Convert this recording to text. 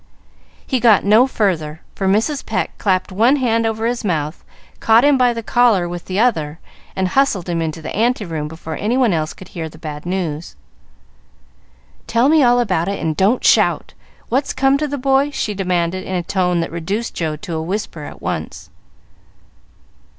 He got no further, for Mrs. Pecq clapped one hand over his mouth, caught him by the collar with the other, and hustled him into the ante room before any one else could hear the bad news. "Tell me all about it, and don't shout. What's come to the boy?" she demanded, in a tone that reduced Joe to a whisper at once.